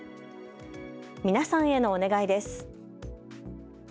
皆さんへのお願いです。